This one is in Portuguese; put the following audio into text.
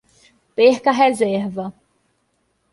Perca a reserva